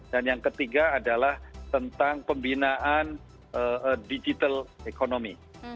dan yang ketiga adalah tentang pembinaan digital economy